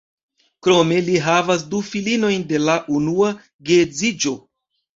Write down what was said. Krome li havas du filinojn de la unua geedziĝo.